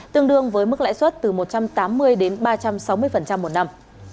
tương đương với mức lãi suất từ một trăm tám mươi đến ba trăm sáu mươi một năm